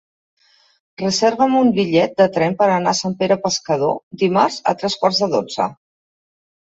Reserva'm un bitllet de tren per anar a Sant Pere Pescador dimarts a tres quarts de dotze.